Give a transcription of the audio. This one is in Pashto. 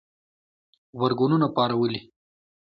غبرګونونه پارولي